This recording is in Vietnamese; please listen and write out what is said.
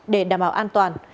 để đảm bảo an toàn